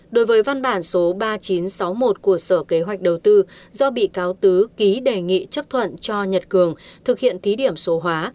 đối với văn bản số ba nghìn chín trăm sáu mươi một của sở kế hoạch đầu tư do bị cáo tứ ký đề nghị chấp thuận cho nhật cường thực hiện thí điểm số hóa